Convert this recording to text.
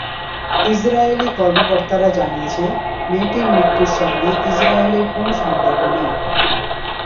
Israeli কর্মকর্তারা জানিয়েছেন, মেয়েটির মৃত্যুর সঙ্গে ইসরায়েলের কোনো সম্পর্ক নেই।